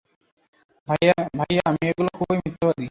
ভাইয়া, মেয়েগুলো খুবই মিথ্যাবাদী!